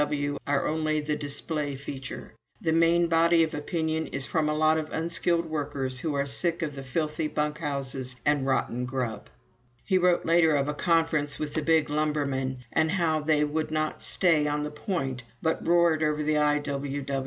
W.W. are only the display feature. The main body of opinion is from a lot of unskilled workers who are sick of the filthy bunk houses and rotten grub." He wrote later of a conference with the big lumbermen, and of how they would not stay on the point but "roared over the I.W.W.